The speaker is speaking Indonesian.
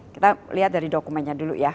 kita lihat dari dokumennya dulu ya